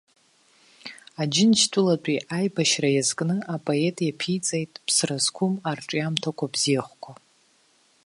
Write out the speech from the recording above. Аџьынџьтәылатәи аибашьра иазкны апоет иаԥиҵеит ԥсра зқәым арҿиамҭа бзиахәқәа.